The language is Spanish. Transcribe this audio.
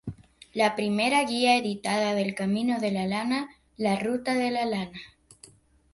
La primera guía editada del Camino de la Lana, ""La Ruta de la Lana.